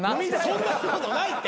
そんなことないって一緒。